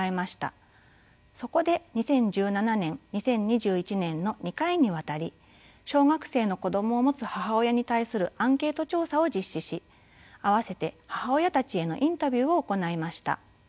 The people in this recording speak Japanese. そこで２０１７年２０２１年の２回にわたり小学生の子どもを持つ母親に対するアンケート調査を実施し併せて母親たちへのインタビューを行いました。